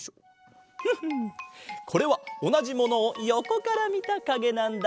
これはおなじものをよこからみたかげなんだ。